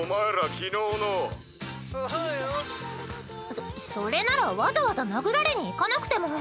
そそれならわざわざ殴られに行かなくても。